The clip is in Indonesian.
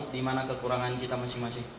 dimana kekurangan kita masing masing